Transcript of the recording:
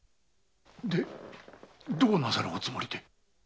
でどうなさるおつもりで。